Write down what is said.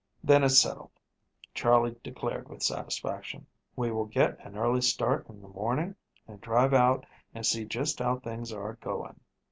"Then it's settled," Charley declared with satisfaction. "We will get an early start in the morning and drive out and see just how things are going."